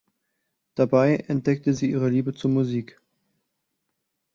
Dabei entdeckte sie ihre Liebe zur Musik.